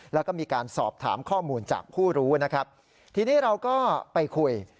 แล้วก็มีการสอบถามข้อมูลจากผู้รู้นะครับทีนี้เราก็ไปคุย